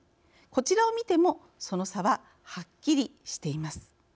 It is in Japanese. こちらを見てもその差ははっきりしています。